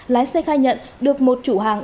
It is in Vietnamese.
lái xe khai nhận được một chủ hàng